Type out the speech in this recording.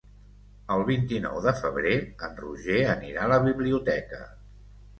El vint-i-nou de febrer en Roger anirà a la biblioteca.